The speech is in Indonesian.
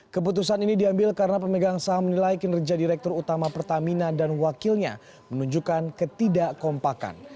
keputusan ini diambil karena pemegang saham menilai kinerja direktur utama pertamina dan wakilnya menunjukkan ketidak kompakan